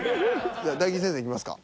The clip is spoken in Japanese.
じゃ大吉先生いきますか？